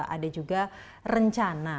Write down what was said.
ada juga rencana